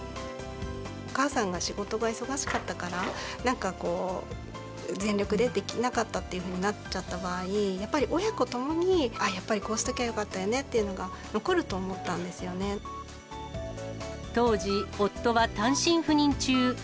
お母さんが仕事が忙しかったから、なんかこう、全力でできなかったっていうふうになっちゃった場合、やっぱり親子ともに、やっぱりこうしておけばよかったよねというのが残ると思ったんで当時、夫は単身赴任中。